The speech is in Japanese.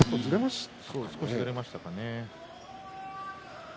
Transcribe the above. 少しずれましたね。